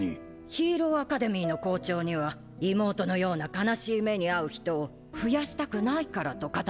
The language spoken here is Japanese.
ヒーローアカデミーの校長には「妹のような悲しい目に遭う人を増やしたくないから」と語ったそうです。